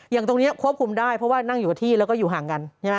อย่างตรงนี้ควบคุมได้เพราะว่านั่งอยู่กับที่แล้วก็อยู่ห่างกันใช่ไหม